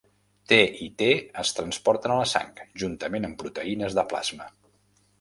T i T es transporten a la sang, juntament amb proteïnes de plasma.